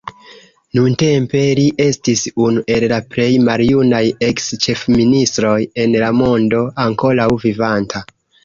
Nuntempe li estis unu el la plej maljunaj eks-ĉefministroj en la mondo ankoraŭ vivanta.